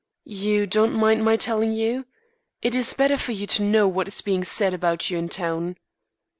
You don't mind my telling you? It is better for you to know what is being said about you in town."